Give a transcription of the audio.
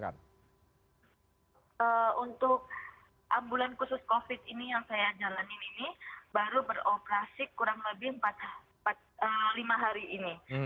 untuk ambulan khusus covid ini yang saya jalanin ini baru beroperasi kurang lebih lima hari ini